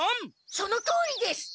そのとおりです！